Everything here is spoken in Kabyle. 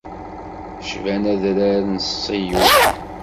Cban adrar n Ṣiyun.